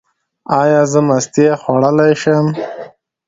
ایا زه مستې خوړلی شم؟